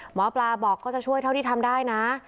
หมอปลาบอกก็จะช่วยเท่าที่ทำได้นะ